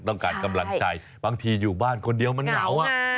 การกำลังใจบางทีอยู่บ้านคนเดียวมันเหงา